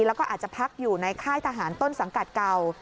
แล้วก็อาจจะพักอยู่ในค่ายทหารต้นสังกัดเก่า